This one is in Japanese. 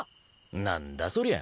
何だそりゃ。